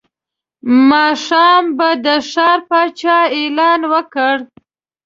ماښام به د ښار پاچا اعلان وکړ.